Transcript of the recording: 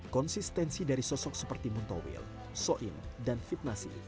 konsistensi dari sosok seperti muntowil soim dan fitnasi